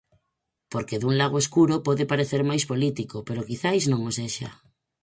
Porque dun lago escuro pode parecer máis político, pero quizais non o sexa.